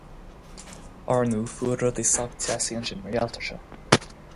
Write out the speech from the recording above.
Ar ndóigh, fuair rudaí sách teasaí ansin mar gheall ar seo.